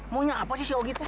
maunya apa sih si ogi teh